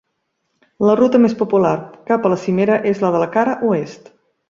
La ruta més popular cap a la cimera és la de la cara oest.